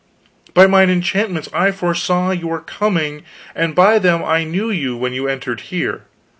By mine enchantments I foresaw your coming, and by them I knew you when you entered here.